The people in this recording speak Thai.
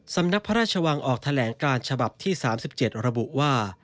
สำนักพระราชวังออกแถลงการฉบับที่๓๗ระบุว่า